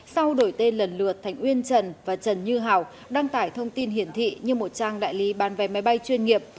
sau đổi tên lần lượt thành uyên trần và trần như hảo đăng tải thông tin hiển thị như một trang đại lý bán vé máy bay chuyên nghiệp